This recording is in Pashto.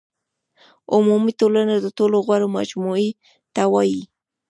عمومي ټولنه د ټولو غړو مجموعې ته وایي.